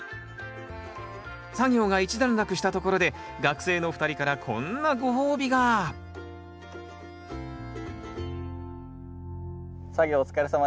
作業が一段落したところで学生のお二人からこんなご褒美が作業お疲れさまでした。